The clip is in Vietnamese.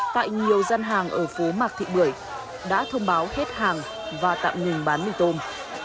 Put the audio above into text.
tại nhiều dân hàng ở phố mạc thị bưởi đã thông báo hết hàng và tạm ngừng bán mì tôm